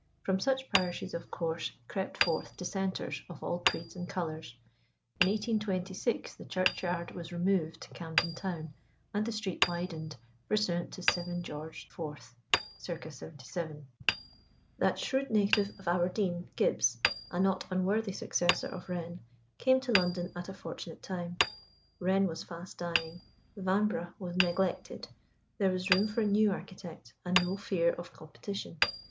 From such parishes of course crept forth Dissenters of all creeds and colours. In 1826 the churchyard was removed to Camden Town, and the street widened, pursuant to 7 George IV. c. 77. That shrewd native of Aberdeen, Gibbs a not unworthy successor of Wren came to London at a fortunate time. Wren was fast dying; Vanbrugh was neglected; there was room for a new architect, and no fear of competition.